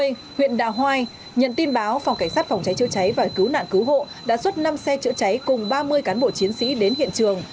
trước đây huyện đà hoai nhận tin báo phòng cảnh sát phòng cháy chữa cháy và cứu nạn cứu hộ đã xuất năm xe chữa cháy cùng ba mươi cán bộ chiến sĩ đến hiện trường